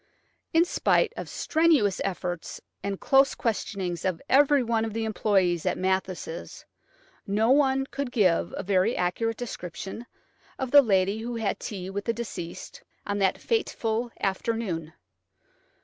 In spite of strenuous efforts and close questionings of every one of the employees at Mathis', no one could give a very accurate description of the lady who had tea with the deceased on that fateful afternoon.